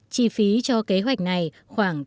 chi phí cho kế hoạch này khoảng tám trăm linh tỷ yen